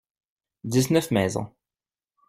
Dix-neuf maisons.